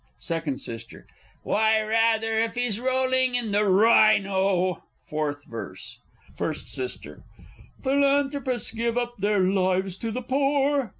Second S. Why rather if he's rolling in the Rhino! Fourth Verse. First S. Philanthropists give up their lives to the poor.